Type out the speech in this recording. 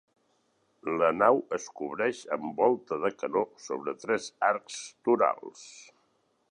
La nau es cobreix amb volta de canó, sobre tres arcs torals.